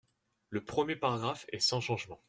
: Le premier paragraphe est sans changement.